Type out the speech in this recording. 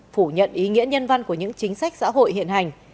phủ nhận ý nghĩa nhân văn của những chính sách xã hội hiện hành